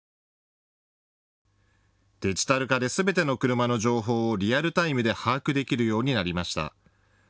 デジタル化ですべての車の情報をリアルタイムで把握できるようになりました。